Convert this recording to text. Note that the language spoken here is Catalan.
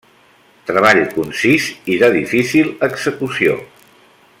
Treball concís i de difícil execució.